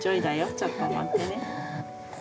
ちょっと待ってね。